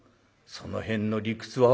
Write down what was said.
その辺の理屈は」。